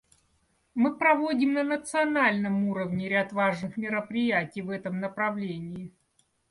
Мы проводим на национальном уровне ряд важных мероприятий в этом направлении.